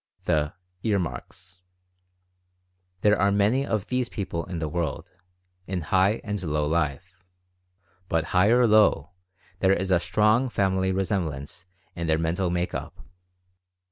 THE ^EAR MARKS." There are many of these people in the world, in high and low life. But, high or low, there is a strong family resemblance in their mental make up.